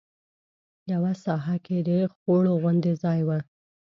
یوه ساحه کې د خوړ غوندې ځای و.